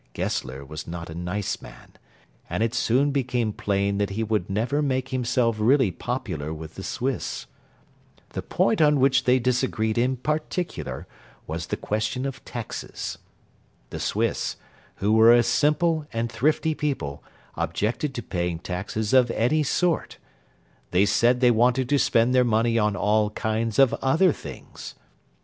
Gessler was not a nice man, and it soon became plain that he would never make himself really popular with the Swiss. The point on which they disagreed in particular was the question of taxes. The Swiss, who were a simple and thrifty people, objected to paying taxes of any sort. They said they wanted to spend their money on all kinds of other things.